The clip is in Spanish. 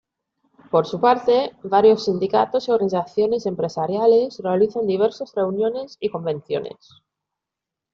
Por su parte, varios sindicatos y organizaciones empresariales realizan diversas reuniones y convenciones.